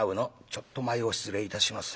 「ちょっと前を失礼いたします。